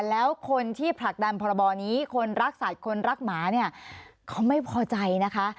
แล้วคนที่ผลักดันพรบนี้คนรักสัตว์คนรักหมาเนี่ยเขาไม่พอใจนะคะ